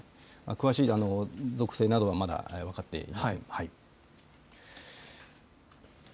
詳しい属性などはまだ分かっていません。